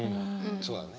そうだね。